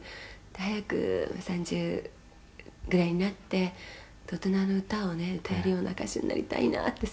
「早く３０ぐらいになって大人の歌をね歌えるような歌手になりたいなってすごく」